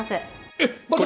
えっ！